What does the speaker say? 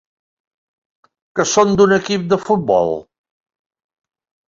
Que són d'un equip de futbol?